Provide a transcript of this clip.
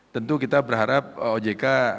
tentu kita berharap ojk